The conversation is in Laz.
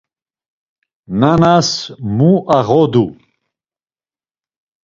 Nanas mu ağodu?